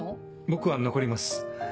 僕は残ります。